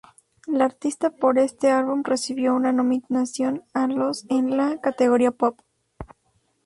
La artista por este álbum recibió una nominación a los en la categoría Pop.